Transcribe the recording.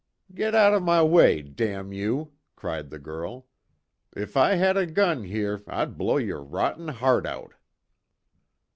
"Get out of my way! Damn you!" cried the girl, "If I had a gun here, I'd blow your rotten heart out!"